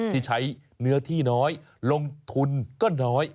ที่ใช้เนื้อที่น้อยลงทุนก็น้อย